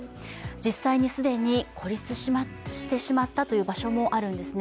実際に既に孤立してしまったという場所もあるんですね。